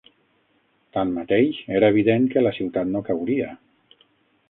Tanmateix, era evident que la ciutat no cauria.